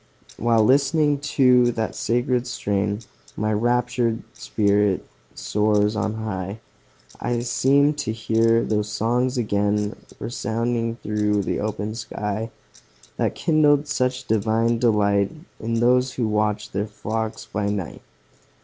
While listening to that sacred strain, My raptured spirit soars on high; I seem to hear those songs again Resounding through the open sky, That kindled such divine delight, In those who watched their flocks by night.